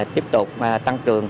tiếp tục tăng trường